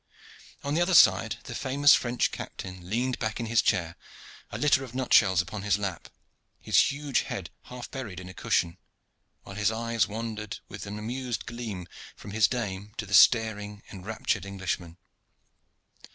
On the other side the famous French captain leaned back in his chair, a litter of nut shells upon his lap, his huge head half buried in a cushion, while his eyes wandered with an amused gleam from his dame to the staring, enraptured Englishmen.